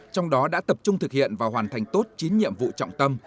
trong đó đã tập trung thực hiện và hoàn thành tốt chín nhiệm vụ trọng tâm